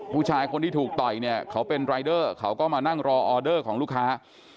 ผู้ชายคนที่ถูกต่อยเนี่ยเขาเป็นรายเดอร์เขาก็มานั่งรอออเดอร์ของลูกค้า